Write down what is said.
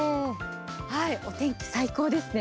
お天気、最高ですね。